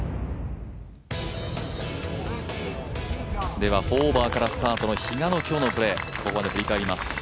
では４オーバーからスタートの比嘉の今日のプレー、ここまで振り返ります。